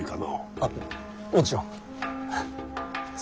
あっもちろん。